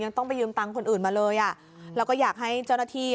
ต้องไปยืมตังค์คนอื่นมาเลยอ่ะแล้วก็อยากให้เจ้าหน้าที่